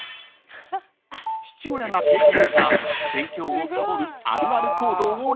［父親が経験した勉強をサボるあるある行動を羅列］